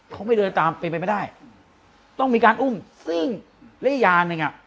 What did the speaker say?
เขาไม่เดินตามเป็นไปไม่ได้ต้องมีการอุ้มซึ่งและอีกอย่างหนึ่งอ่ะ